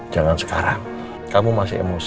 jangan sekarang kamu masih emosi